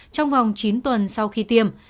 trong vòng chín tuần sau khi tiêm